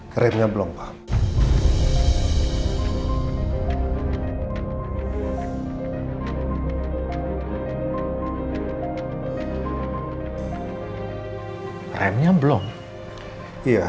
kerennya belum pak